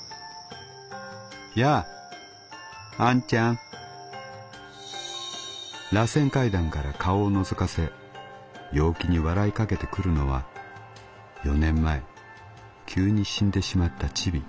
「『やああんちゃん』螺旋階段から顔をのぞかせ陽気に笑いかけてくるのは４年前急に死んでしまったチビ。